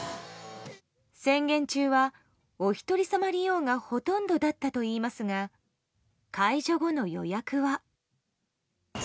宣言中はお一人様利用がほとんどだったといいますが解除後の予約は。